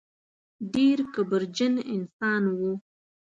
ډېر کبرجن انسان و.